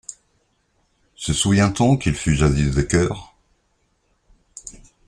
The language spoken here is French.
Se souvient-on qu’il fut jadis des cœurs?